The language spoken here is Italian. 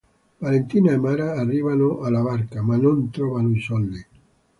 Valentina e Mara arrivano alla barca, ma non trovano i soldi.